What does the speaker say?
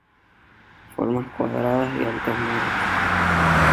Formas cuadradas y altos muros.